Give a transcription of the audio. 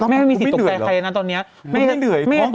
ทำไมไม่เหนื่อยทองตกไม่แปลกแม่